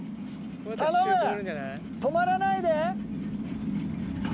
頼む止まらないで。